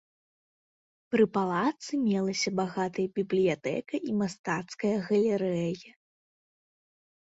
Пры палацы мелася багатая бібліятэка і мастацкая галерэя.